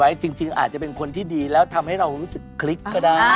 จริงอาจจะเป็นคนที่ดีแล้วทำให้เรารู้สึกคลิกก็ได้